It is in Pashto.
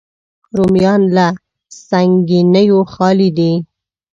رومیان له سنګینیو خالي دي